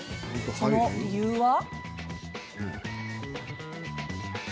その理由は。